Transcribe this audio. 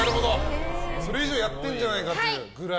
それ以上やってるんじゃないかというぐらい。